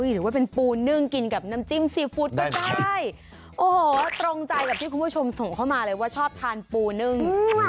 หรือว่าเป็นปูนึ่งกินกับน้ำจิ้มซีฟู้ดก็ได้โอ้โหตรงใจกับที่คุณผู้ชมส่งเข้ามาเลยว่าชอบทานปูนึ่ง